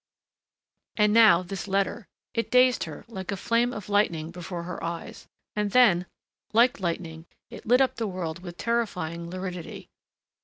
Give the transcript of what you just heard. And now this letter. It dazed her, like a flame of lightning before her eyes, and then, like lightning, it lit up the world with terrifying luridity.